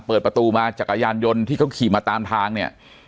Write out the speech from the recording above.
เปิดประตูมาจักรยานยนต์ที่เขาขี่มาตามทางเนี่ย